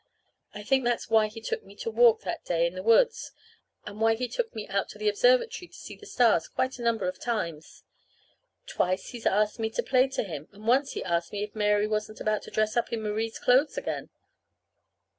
I think that's why he took me to walk that day in the woods, and why he took me out to the observatory to see the stars quite a number of times. Twice he's asked me to play to him, and once he asked me if Mary wasn't about ready to dress up in Marie's clothes again.